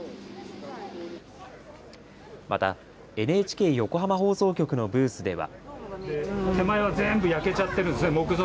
またＮＨＫ横浜放送局のブースでは。